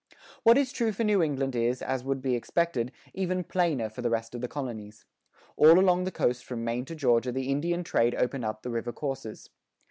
What is true for New England is, as would be expected, even plainer for the rest of the colonies. All along the coast from Maine to Georgia the Indian trade opened up the river courses.